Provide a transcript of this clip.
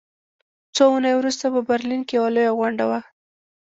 څو اونۍ وروسته په برلین کې یوه لویه غونډه وه